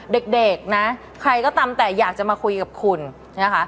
เด็กนะใครก็ตามแต่อยากจะมาคุยกับคุณนะคะ